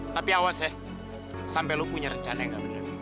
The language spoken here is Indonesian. tapi awas ya sampai lu punya rencana yang gak bener